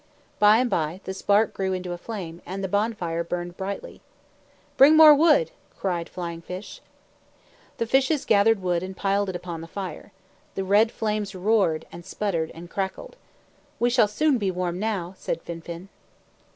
By and by the spark grew into a flame, and the bonfire burned brightly. "Bring more wood," cried Flying fish. The fishes gathered wood and piled it upon the fire. The red flames roared, and sputtered, and crackled. "We shall soon be warm now," said Fin fin.